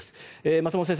松本先生